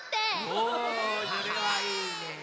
おそれはいいね！